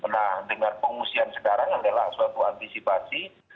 nah dengan pengungsian sekarang adalah suatu antisipasi